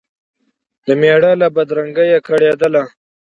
د مېړه له بدرنګیه کړېدله